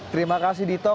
terima kasih dito